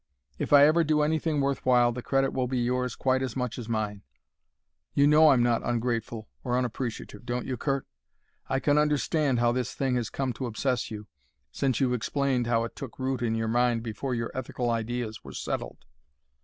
If I ever do anything worth while the credit will be yours quite as much as mine. You know I'm not ungrateful or unappreciative, don't you, Curt? I can understand how this thing has come to obsess you, since you've explained how it took root in your mind before your ethical ideas were settled.